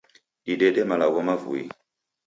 Didede malagho mavui.